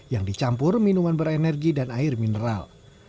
yang dicampur minuman berenergi dan air mineral